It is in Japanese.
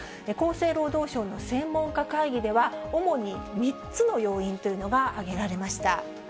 厚生労働省の専門家会議では、主に３つの要因というのが挙げられました。